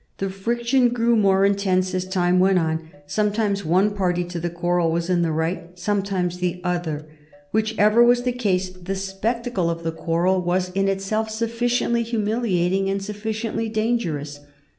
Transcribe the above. The friction grew more intense as time went on. Sometimes one party to the quarrel was in the right, sometimes the other. Whichever was the case, the spectacle of the quarrel was in itself sufficiently humiliating and sufficiently dangerous.